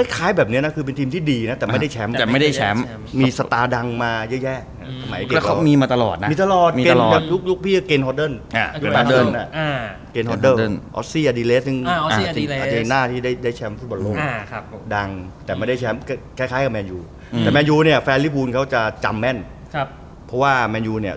อเจมส์เอเวอร์ตันแน่นอนเอเวอร์ตันก็รุ้นกับลิฟท์ภูมิอยู่ช่วงนี้